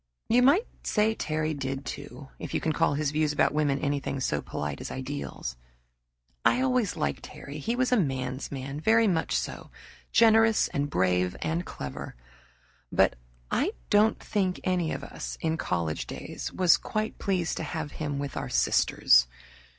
You might say Terry did, too, if you can call his views about women anything so polite as ideals. I always liked Terry. He was a man's man, very much so, generous and brave and clever; but I don't think any of us in college days was quite pleased to have him with our sisters.